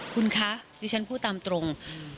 คุณคะดิฉันพูดตามตรง